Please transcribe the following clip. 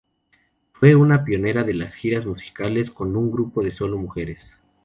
Fue una pionera de las giras musicales con un grupo de sólo mujeres.